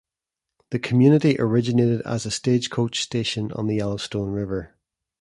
The community originated as a stagecoach station on the Yellowstone River.